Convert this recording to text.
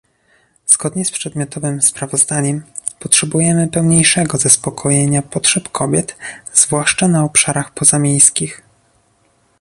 Zgodnie z przedmiotowym sprawozdaniem, potrzebujemy pełniejszego zaspokojenia potrzeb kobiet, zwłaszcza na obszarach pozamiejskich